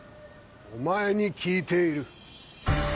お前に聞いている。